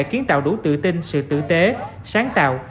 kiến tạo đủ tự tin sự tử tế sáng tạo